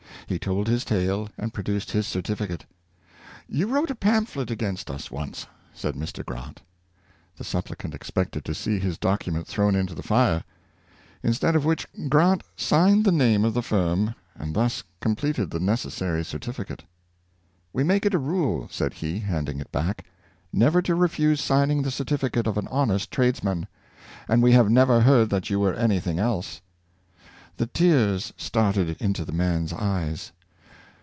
He told his tale and produced his certificate. " You wrote a pamphlet against us once.^ " said Mr. Grant. The sup plicant expected to see his document thrown into the fire; instead of which Grant signed the' name of the 614 The True Gentleman, firm, and thus completed the necessary certificate. " We make it a rule," said he, handing it back, " never to refiase signing the certificate of an honest tradesman, and we have never heard that you were any thing else." The tears started into the man's eyes.